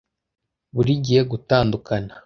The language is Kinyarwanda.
burigihe gutandukana